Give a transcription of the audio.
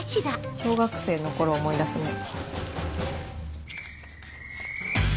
小学生の頃を思い出すね。